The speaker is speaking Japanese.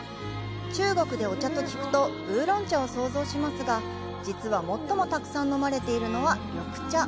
中国でお茶と聞くとウーロン茶を想像しますが、実は、最もたくさん飲まれているのは緑茶！